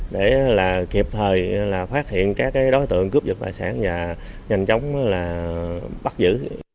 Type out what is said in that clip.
để là kịp thời phát hiện các đối tượng cướp giật tài sản và nhanh chóng bắt giữ